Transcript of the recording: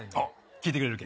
聞いてくれるか？